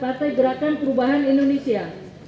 partai gerakan perubahan indonesia